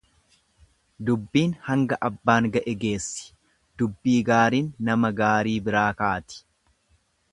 Dubbiin hanga abbaan ga'e geessi Dubbii gaariin nama gaarii biraa kaati.